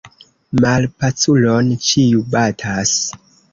Malpaculon ĉiu batas.